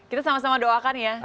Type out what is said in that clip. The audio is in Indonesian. kita sama sama doakan ya